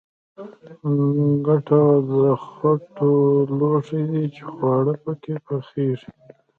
کټوه د خټو لوښی دی چې خواړه پکې پخیږي